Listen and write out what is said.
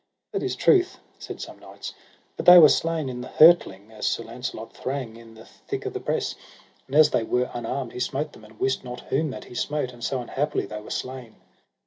That is truth, said some knights, but they were slain in the hurtling as Sir Launcelot thrang in the thick of the press; and as they were unarmed he smote them and wist not whom that he smote, and so unhappily they were slain.